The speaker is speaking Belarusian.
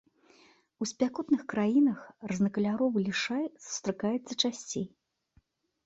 У спякотных краінах рознакаляровы лішай сустракаецца часцей.